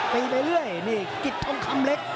ไปเรื่อยนี่กิจทองคำเล็ก